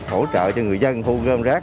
hỗ trợ cho người dân thu gom rác